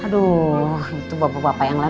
aduh itu bapak bapak yang lain